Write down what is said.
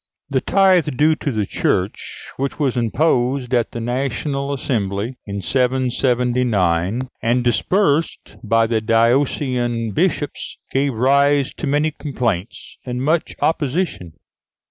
The tithe due to the Church (Fig. 260), which was imposed at the National Assembly in 779, and disbursed by the diocesan bishops, gave rise to many complaints and much opposition.